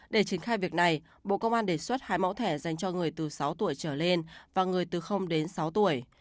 để triển khai việc này bộ công an đề xuất hai mẫu thẻ dành cho người từ sáu tuổi trở lên và người từ đến sáu tuổi